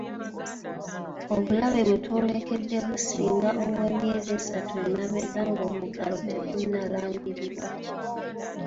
Obulabe bwe twolekedde businga obwe emyezi esatu emabega ng'omuggalo tegunnalangirirwa.